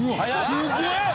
すっげえ！